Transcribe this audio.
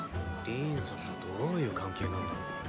リーンさんとどういう関係なんだろう？